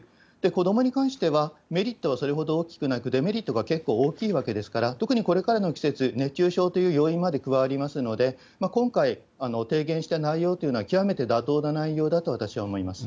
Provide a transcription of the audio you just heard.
子どもに関しては、メリットはそれほど大きくなく、デメリットが結構大きいわけですから、特にこれからの季節、熱中症という要因まで加わりますので、今回、提言した内容というのは極めて妥当な内容だと私は思います。